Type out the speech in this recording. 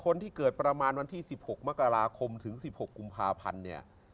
คนที่เกิดประมาณวันที่๑๖มกราคมถึง๑๖กุมภาพันธ์เนี่ย